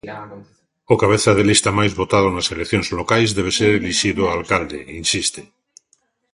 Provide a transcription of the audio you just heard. "O cabeza de lista máis votado nas eleccións locais debe ser elixido alcalde", insiste.